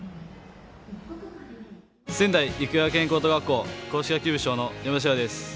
仙台育英学園高等学校硬式野球部主将の山田脩也です。